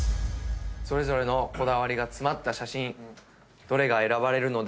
それぞれのこだわりが詰まった写真どれが選ばれるでしょうか。